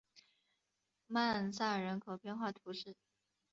曼萨人口变化图示